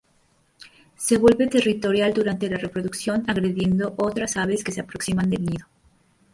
Se vuelve territorial durante la reproducción, agrediendo otras aves que se aproximan del nido.